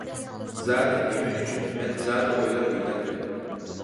زادى نېمە ئۈچۈن؟ مەن زادى ئويلاپ يېتەلمىدىم.